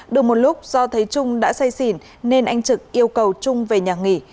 đừng một lúc do thấy trung đã say xỉn nên anh trực yêu cầu trung về nhà nghỉ